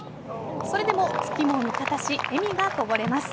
それでもツキも味方し、笑みがこぼれます。